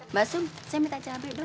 mbak sum saya minta cabai dulu